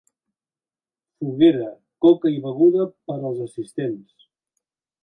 Foguera, coca i beguda per als assistents.